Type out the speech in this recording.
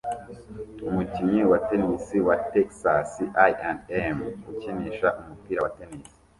Umukinnyi wa tennis wa Texas A&M ukinisha umupira wa tennis